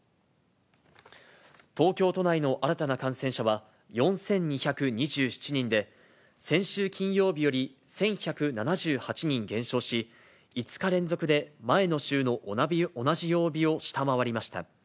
東京都内の新たな感染者は４２２７人で、先週金曜日より１１７８人減少し、５日連続で前の週の同じ曜日を下回りました。